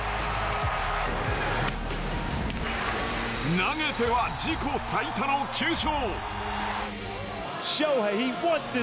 投げては自己最多の９勝。